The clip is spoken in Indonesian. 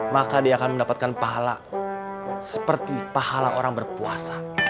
maka dia akan mendapatkan pahala seperti pahala orang berpuasa